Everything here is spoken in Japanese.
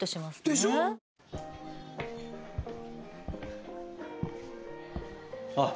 でしょ？あっ！